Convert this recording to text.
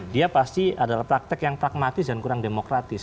dia pasti adalah praktek yang pragmatis dan kurang demokratis